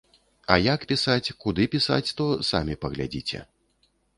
А як пісаць, куды пісаць, то самі паглядзіце.